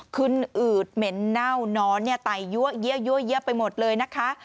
ขึ้นอืดเหม็นเน่านอนไต่เยื้อไปหมดเลยนะคะ